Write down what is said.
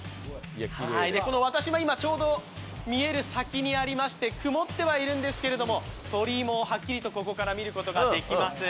この見える位置にありまして曇ってはいるんですけれども、鳥居もはっきりとここから見ることができます。